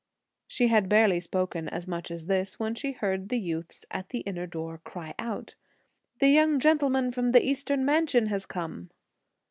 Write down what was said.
She had barely spoken as much as this, when she heard the youths at the inner door cry out: "The young gentleman from the Eastern Mansion has come."